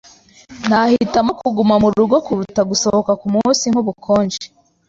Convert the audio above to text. Nahitamo kuguma murugo kuruta gusohoka kumunsi nkubukonje.